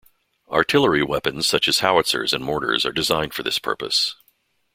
Artillery weapons such as howitzers and mortars are designed for this purpose.